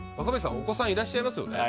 お子さんいらっしゃいますよね。